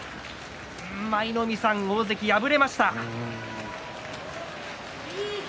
舞の海さん、大関敗れました。